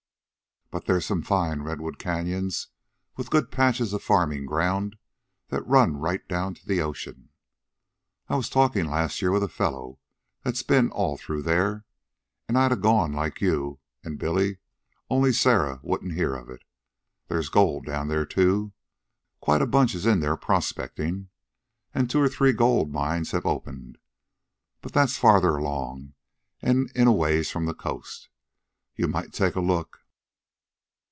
But there's some fine redwood canyons, with good patches of farming ground that run right down to the ocean. I was talkin' last year with a fellow that's been all through there. An' I'd a gone, like you an' Billy, only Sarah wouldn't hear of it. There's gold down there, too. Quite a bunch is in there prospectin', an' two or three good mines have opened. But that's farther along and in a ways from the coast. You might take a look."